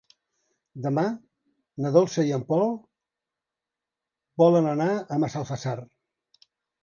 Demà na Dolça i en Pol volen anar a Massalfassar.